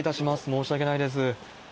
申し訳ないです。